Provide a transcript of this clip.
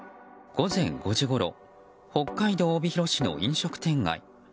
午前５時ごろ北海道帯広市の飲食店街。